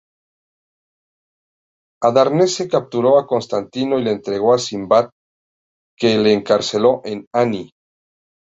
Adarnase capturó a Constantino y le entregó a Smbat, que le encarceló en Ani.